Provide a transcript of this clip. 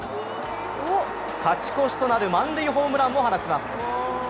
勝ち越しとなる満塁ホームランを放ちます。